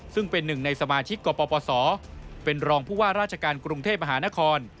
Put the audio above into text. ซึ่งเป็นหนึ่งในสมาชิกกปศเป็นรองผู้ว่าราชการกรุงเทพมหานคร